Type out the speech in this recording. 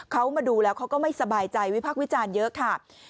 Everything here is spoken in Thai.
เขามาดูแล้วเขาก็ไม่สบายใจวิพักษ์วิจารณ์เยอะค่ะ